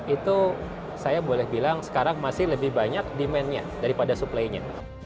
itu saya boleh bilang sekarang masih lebih banyak demand nya daripada supply nya